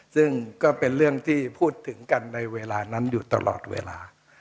ซึ่งก็เป็นเรื่องที่พูดถึงกันในเวลานั้นอยู่ตลอดเวลา